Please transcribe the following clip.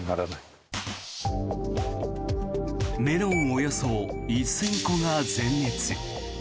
およそ１０００個が全滅。